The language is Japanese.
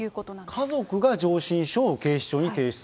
家族が上申書を警視庁に提出。